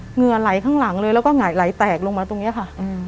เหงื่อไหลข้างหลังเลยแล้วก็หงายไหลแตกลงมาตรงนี้ค่ะ